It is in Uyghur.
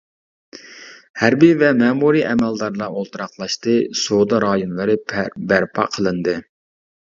ھەربىي ۋە مەمۇرىي ئەمەلدارلار ئولتۇراقلاشتى، سودا رايونلىرى بەرپا قىلىندى.